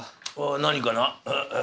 何かな？